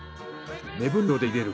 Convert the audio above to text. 目分量で入れる。